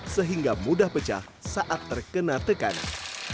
sehingga mudah pecah saat terkena tekanan